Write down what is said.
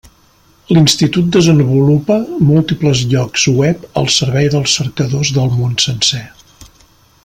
L'institut desenvolupa múltiples llocs web al servei dels cercadors del món sencer.